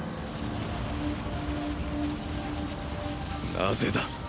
なぜだ？